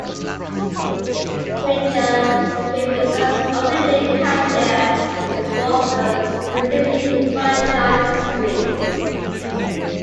Criger became the first Opening Day catcher in Boston American League franchise's history.